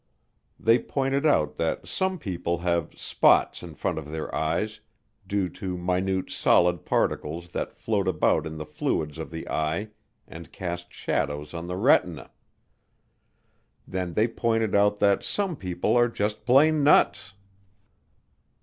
They pointed out that some people have "spots in front of their eyes" due to minute solid particles that float about in the fluids of the eye and cast shadows on the retina. Then they pointed out that some people are just plain nuts.